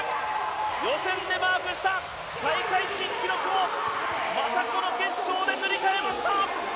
予選でマークした大会新記録をまたこの決勝で塗り替えました！